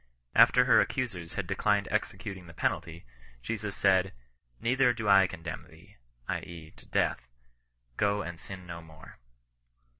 After her ac cusers had declined executing the penalty, Jesus said —" Neither do I condemn thee (i. e. to death), go and sin no more."